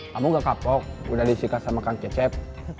kamu gak kapok udah disikat sama kang cecep